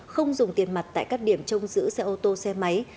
không dùng tiền mặt tại các điểm trông giữ xe ô tô xe máy